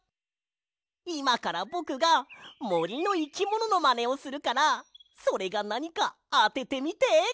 いまからぼくがもりのいきもののマネをするからそれがなにかあててみて！